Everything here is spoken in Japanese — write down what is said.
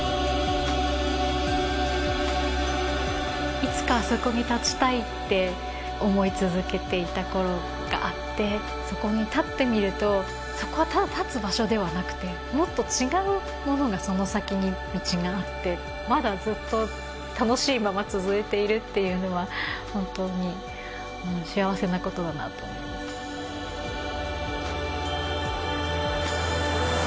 いつかあそこに立ちたいって思い続けていた頃があってそこに立ってみるとそこはただ立つ場所ではなくてもっと違うものがその先に道があってまだずっと楽しいまま続いているっていうのは本当に幸せなことだなと思います